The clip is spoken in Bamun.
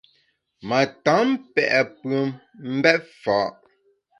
Ma tam pe’ pùem mbèt fa’.